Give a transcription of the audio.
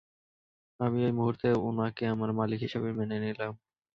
আমি ওই মূহুর্তে উনাকে আমার মালিক হিসাবে মেনে নিলাম।